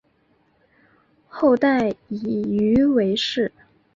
后代以鱼为氏。